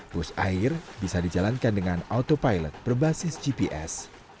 bus air bisa dijalankan dengan autopilot berbasis gps